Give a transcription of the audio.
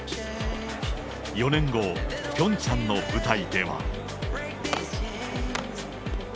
４年後、ピョンチャンの舞台では。